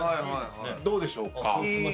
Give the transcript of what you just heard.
どうでしょうか？